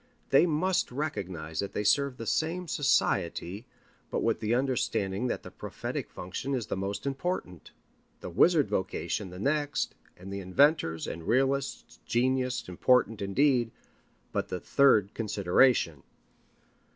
They must recognize that they serve the same society, but with the understanding that the prophetic function is the most important, the wizard vocation the next, and the inventors' and realists' genius important indeed, but the third consideration.